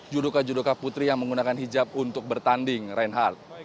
judoka judoka putri yang menggunakan hijab untuk bertanding reinhardt